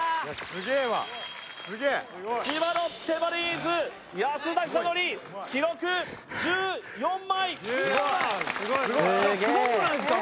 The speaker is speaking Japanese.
千葉ロッテマリーンズ安田尚憲記録１４枚すごいすごいすごくないですか